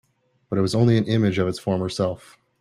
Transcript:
But it was only an image of its former self.